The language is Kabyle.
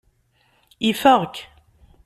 Ifeɣ-k.